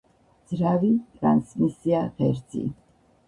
ძრავი, ტრანსმისია, ღერძი.